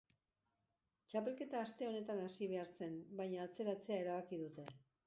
Txapelketa aste honetan hasi behar zen, baina atzeratzea erabaki dute.